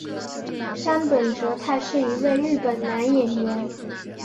杉本哲太是一位日本男演员。